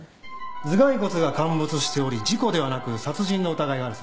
頭蓋骨が陥没しており事故ではなく殺人の疑いがあるそうです。